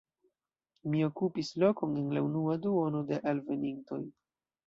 Mi okupis lokon en la unua duono de alvenintoj.